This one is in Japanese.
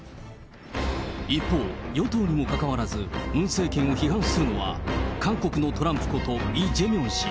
一方、与党にもかかわらず、ムン政権を批判するのは、韓国のトランプこと、イ・ジェミョン氏。